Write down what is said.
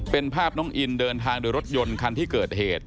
เป็นภาพน้องอินเดินทางโดยรถยนต์คันที่เกิดเหตุ